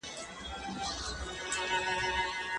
چې زما په لورې هغه سپينه جنگرکه راځې